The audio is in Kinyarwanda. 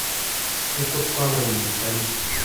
nkuko twabonye umugani